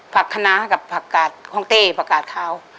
คณะกับผักกาดของเต้ผักกาดขาว